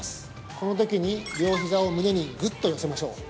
このときに、両ひざを胸にぐっと寄せましょう。